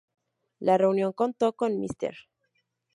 La reunión contó con Mr.